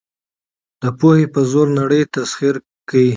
د پوهې په زور نړۍ تسخیر کړئ.